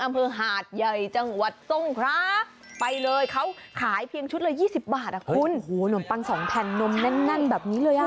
อำเภอหาดใหญ่จังหวัดตรงครับไปเลยเขาขายเพียงชุดละ๒๐บาทน้ำปัง๒แผ่นนมแน่นแบบนี้เลย